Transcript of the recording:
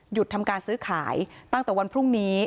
ทำการซื้อขายตั้งแต่วันพรุ่งนี้